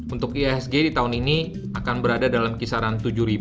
untuk ihsg di tahun ini akan berada dalam kisaran tujuh